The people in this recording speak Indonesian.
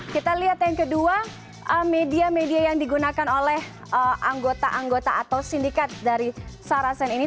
kita lihat yang kedua media media yang digunakan oleh anggota anggota atau sindikat dari sarasen ini